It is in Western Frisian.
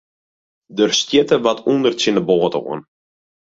Der stjitte wat ûnder tsjin de boat oan.